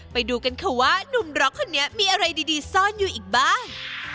ไปดูกันค่ะว่านุ่มร็อกคนนี้มีอะไรดีซ่อนอยู่อีกบ้าง